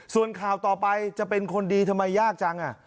ส่วนข่าวต่อไปจะเป็นคนดีทำไมยากจัง